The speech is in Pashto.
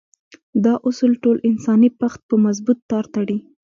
دا اصول ټول انساني پښت په مضبوط تار تړي.